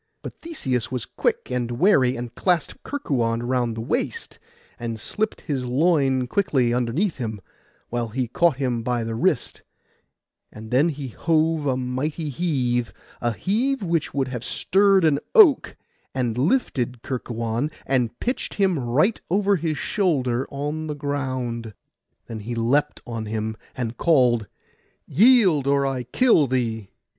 But Theseus was quick and wary, and clasped Kerkuon round the waist, and slipped his loin quickly underneath him, while he caught him by the wrist; and then he hove a mighty heave, a heave which would have stirred an oak, and lifted Kerkuon, and pitched him right over his shoulder on the ground. Then he leapt on him, and called, 'Yield, or I kill thee!